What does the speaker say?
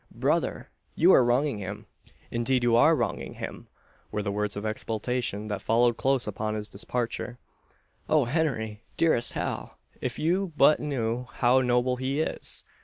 "Brother! you are wronging him! indeed you are wronging him!" were the words of expostulation that followed close upon his departure. "Oh, Henry dearest Hal, if you but knew how noble he is!